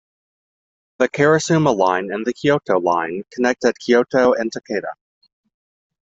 The Karasuma Line and the Kyoto Line connect at Kyoto and Takeda.